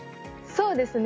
そうですね。